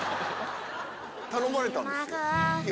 頼まれたんですよ。